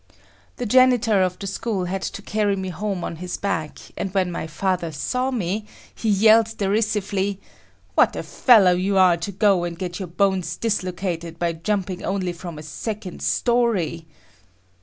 The janitor of the school had to carry me home on his back, and when my father saw me, he yelled derisively, "What a fellow you are to go and get your bones dislocated by jumping only from a second story!"